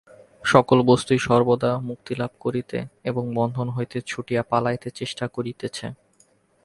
সকল বস্তুই সর্বদা মুক্তিলাভ করিতে এবং বন্ধন হইতে ছুটিয়া পলাইতে চেষ্টা করিতেছে।